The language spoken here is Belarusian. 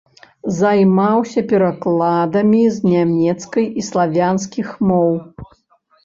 Займаўся перакладамі з нямецкай і славянскіх моў.